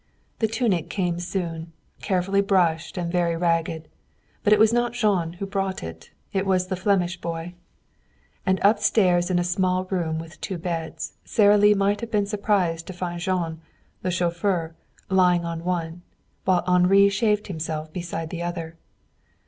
The tunic came soon, carefully brushed and very ragged. But it was not Jean who brought it; it was the Flemish boy. And upstairs in a small room with two beds Sara Lee might have been surprised to find Jean, the chauffeur, lying on one, while Henri shaved himself beside the other.